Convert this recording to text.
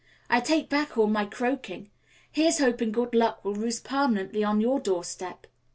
I take back all my croaking. Here's hoping good luck will roost permanently on your doorstep."